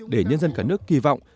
để nhân dân cả nước kỳ vọng